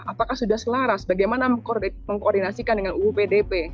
apakah sudah selaras bagaimana mengkoordinasikan dengan uu pdp